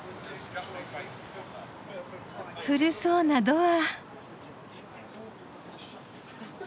古そうなドア。